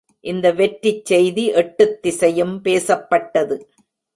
இந்த வெற்றிச் செய்தி எட்டுத் திசையும் பேசப்பட்டது.